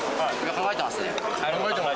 考えてます。